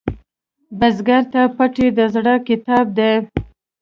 بزګر ته پټی د زړۀ کتاب دی